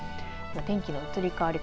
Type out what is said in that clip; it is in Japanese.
天気の移り変わり